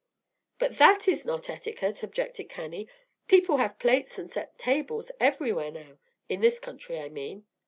"But that is not etiquette," objected Cannie. "People have plates and set tables everywhere now, in this country, I mean."